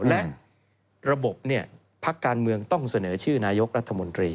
และระบบพักการเมืองต้องเสนอชื่อนายกรัฐมนตรี